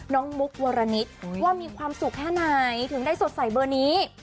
มุกวรณิตว่ามีความสุขแค่ไหนถึงได้สดใสเบอร์นี้